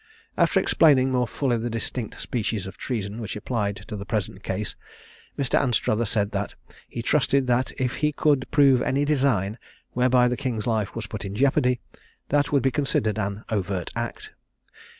After explaining more fully the distinct species of treason which applied to the present case, Mr. Anstruther said that he trusted that if he could prove any design whereby the king's life was put in jeopardy, that would be considered an overt act.